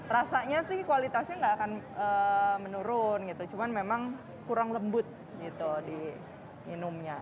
rasanya sih kualitasnya nggak akan menurun gitu cuman memang kurang lembut gitu di minumnya